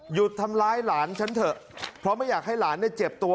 ทำร้ายหลานฉันเถอะเพราะไม่อยากให้หลานเนี่ยเจ็บตัว